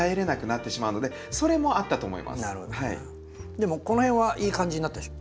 でもこの辺はいい感じになったでしょ？